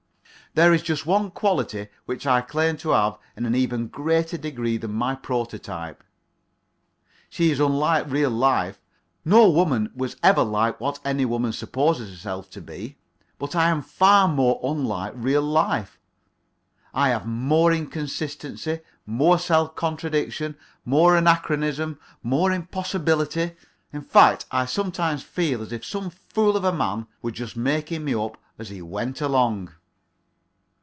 There is just one quality which I claim to have in an even greater degree than my prototype. She is unlike real life no woman was ever like what any woman supposes herself to be but I am far more unlike real life. I have more inconsistency, more self contradiction, more anachronism, more impossibility. In fact, I sometimes feel as if some fool of a man were just making me up as he went along.